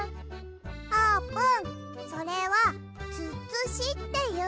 あーぷんそれは「つつし」っていうんだよ。